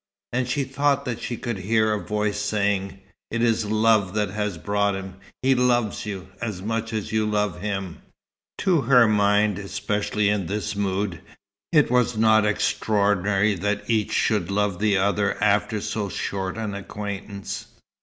And she thought that she could hear a voice saying: "It is love that has brought him. He loves you, as much as you love him." To her mind, especially in this mood, it was not extraordinary that each should love the other after so short an acquaintance.